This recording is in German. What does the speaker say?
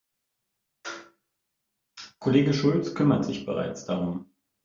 Kollege Schulz kümmert sich bereits darum.